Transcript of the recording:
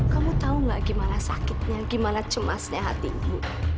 kamu tahu gak gimana sakitnya gimana cemasnya hati ibu